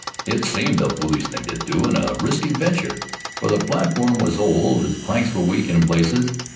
It seemed a foolish thing to do, and a risky venture, for the platform was old, its planks were weak in places.